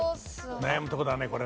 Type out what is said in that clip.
悩むとこだねこれね。